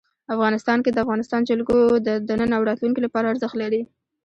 افغانستان کې د افغانستان جلکو د نن او راتلونکي لپاره ارزښت لري.